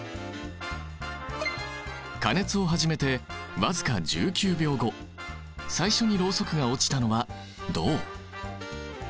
加熱を始めて僅か１９秒後最初にロウソクが落ちたのは銅。